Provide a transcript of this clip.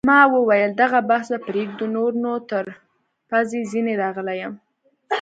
ما وویل: دغه بحث به پرېږدو، نور نو تر پزې ځیني راغلی یم.